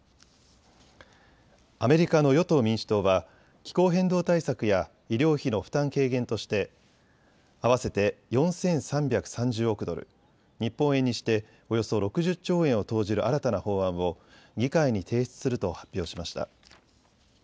アメリカの与党・民主党は気候変動対策や医療費の負担軽減として合わせて４３３０億ドル、日本円にしておよそ６０兆円を投じる新たな法案を議会に提出すると発表しました。